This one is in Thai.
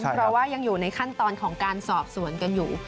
เพราะว่ายังอยู่ในขั้นตอนของการสอบสวนกันอยู่